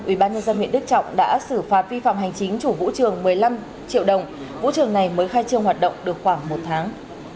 ubnd huyện đức trọng đã xử phạt vi phạm hành chính chủ vũ trường một mươi năm triệu đồng vũ trường này mới khai trương hoạt động được khoảng một tháng